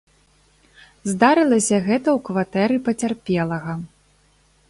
Здарылася гэта ў кватэры пацярпелага.